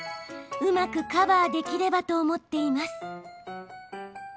うまくカバーできればと思っています。